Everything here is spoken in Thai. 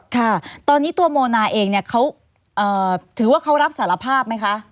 ค่ะตอนนี้ตัวโมนาเองเนี่ยเขาถือว่าเขารับสารภาพไหมคะ